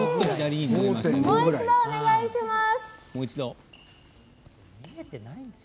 もう一度お願いします。